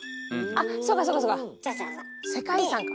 あっそうかそうか世界遺産か。